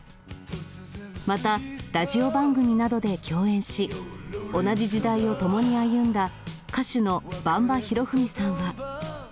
また、ラジオ番組などで共演し、同じ時代を共に歩んだ歌手のばんばひろふみさんは。